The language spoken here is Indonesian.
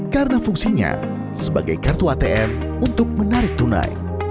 karena fungsinya sebagai kartu atm untuk menarik tunai